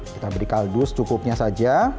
kita beri kaldu secukupnya saja